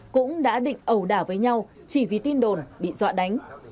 cũng đã định ẩu đả với nhau chỉ vì tin đồn bị dọa đánh